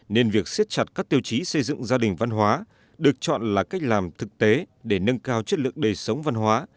nên việc siết chặt các tiêu chí xây dựng gia đình văn hóa được chọn là cách làm thực tế để nâng cao chất lượng đời sống văn hóa